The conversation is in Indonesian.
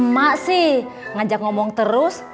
mak sih ngajak ngomong terus